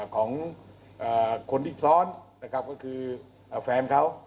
ของคนที่ซ้อนก็คือแฟนเขา